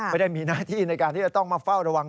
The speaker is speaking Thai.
ไม่ได้มีหน้าที่ในการที่จะต้องมาเฝ้าระวัง